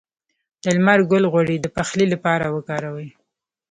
د لمر ګل غوړي د پخلي لپاره وکاروئ